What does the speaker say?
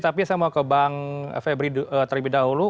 tapi saya mau ke bang febri terlebih dahulu